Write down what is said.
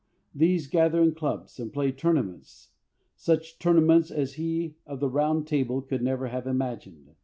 These gather in clubs and play Tournaments, such tournaments as he of the Table Round could never have imagined.